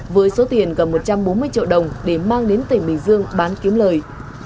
với số tiền gần một trăm bốn mươi triệu đồng để mang đến tỉnh bình dương bán kiếm lời